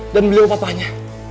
dan beliau papahnya